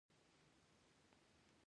تاریخ د افغان ځوانانو لپاره دلچسپي لري.